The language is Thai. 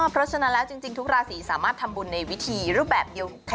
เพราะฉะนั้นแล้วจริงทุกราศีสามารถทำบุญในวิธีรูปแบบเดียว